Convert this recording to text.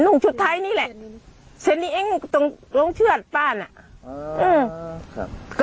หนูชุดไทยนี่แหละฉันนี่เองตรงลงเชือดบ้านอ่ะเออครับ